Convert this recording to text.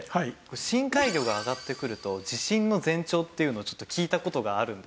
深海魚が上がってくると地震の前兆っていうのをちょっと聞いた事があるんですけど。